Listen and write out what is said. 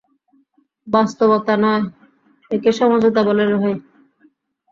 বাস্তবতা নয়, একে সমঝোতা বলে রে ভাই!